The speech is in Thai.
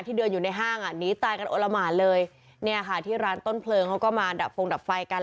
เดินอยู่ในห้างอ่ะหนีตายกันโอละหมานเลยเนี่ยค่ะที่ร้านต้นเพลิงเขาก็มาดับฟงดับไฟกัน